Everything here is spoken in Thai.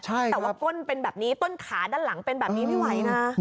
แต่ว่าก้นเป็นแบบนี้ต้นขาด้านหลังเป็นแบบนี้ไม่ไหวนะ